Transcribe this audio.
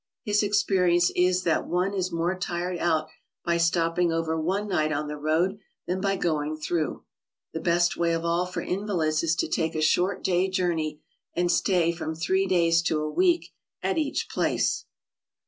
His experience is that one is more tired out by stopping over one night on the road than by going through. The best way of all for invalids is to take a short day journey and stay from three days to a week at each place.